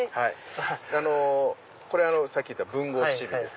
これさっき言った文豪七味です。